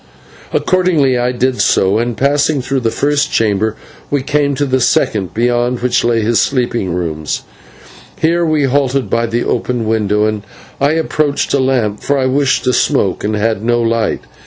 Accordingly I did so, and, passing through the first chamber, we came to the second, beyond which lay his sleeping rooms. Here we halted by the open window, and I approached a lamp, for I wished to smoke and had no light.